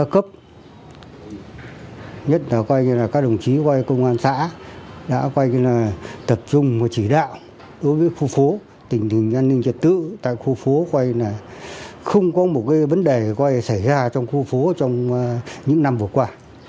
các đồng chí công an xã đã tập trung chỉ đạo đối với khu phố tình hình an ninh trật tự tại khu phố không có vấn đề xảy ra trong khu phố trong những năm vừa qua